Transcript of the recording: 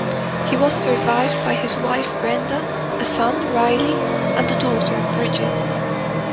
He was survived by his wife Brenda, a son, Riley, and a daughter, Bridgette.